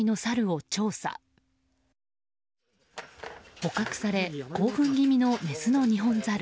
捕獲され興奮気味のメスのニホンザル。